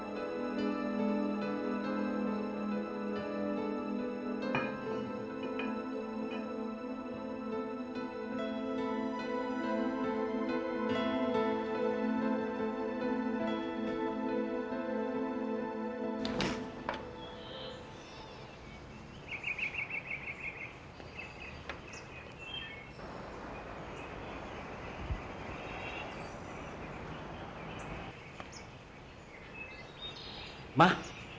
yaludah aku berkembang